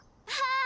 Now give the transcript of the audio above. ああ。